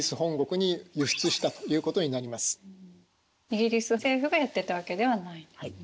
イギリス政府がやってたわけではないんですね。